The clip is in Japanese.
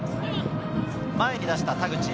前に出した田口。